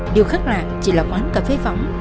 điều khác lạ chỉ là quán cà phê võng